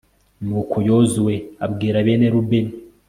nuko yozuwe abwira bene rubeni